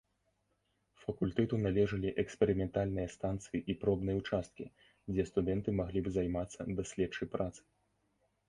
Факультэту належалі эксперыментальныя станцыі і пробныя ўчасткі, дзе студэнты маглі б займацца даследчай працай.